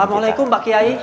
assalamualaikum pak kiai